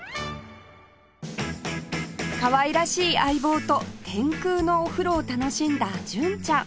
かわいらしい相棒と天空のお風呂を楽しんだ純ちゃん